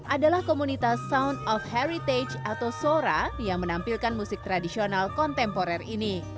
adalah komunitas sound of heritage atau sora yang menampilkan musik tradisional kontemporer ini